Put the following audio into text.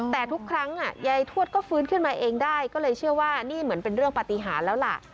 แต่ทุกครั้งยายทวดก็ฟื้นขึ้นมาเองได้ก็เลยเชื่อว่านี่เหมือนเป็นเรื่องปฏิหารแล้วล่ะ